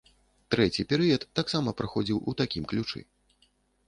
Трэці перыяд таксама праходзіў у такім ключы.